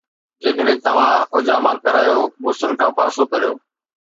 جيڪڏهن توهان حجامہ ڪريو، غسل کان پاسو ڪريو